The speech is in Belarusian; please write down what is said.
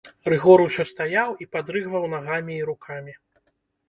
Рыгор усё стаяў і падрыгваў нагамі і рукамі.